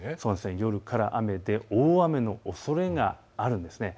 夜から雨で大雨のおそれがあるんです。